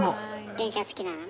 電車好きなのね。